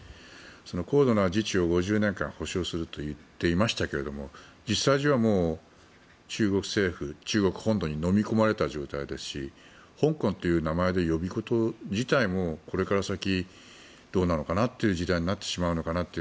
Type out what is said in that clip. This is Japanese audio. その高度な自治を５０年間保証すると言っていましたが実際には中国政府、本土にのみ込まれた状態ですし香港という名前で呼ぶこと自体もこれから先、どうなのかなという時代になってしまうのかなと。